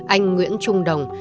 anh nguyễn trung đồng